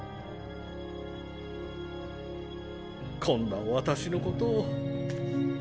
こんな私のことを。